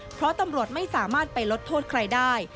เพราะตำรวจไม่สามารถไปลดโทษใครได้